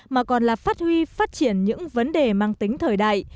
mà còn là phát huy phát triển những vấn đề mang tính thời đại